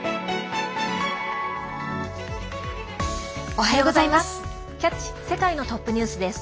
おはようございます。